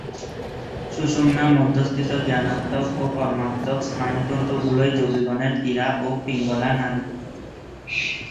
সুষুম্না-মধ্যস্থিত জ্ঞানাত্মক ও কর্মাত্মক স্নায়ুতন্তুগুলিই যোগিগণের ইড়া ও পিঙ্গলা নাড়ী।